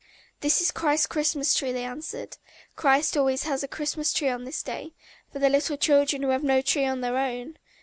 "This is Christ's Christmas tree," they answered. "Christ always has a Christmas tree on this day, for the little children who have no tree of their own...."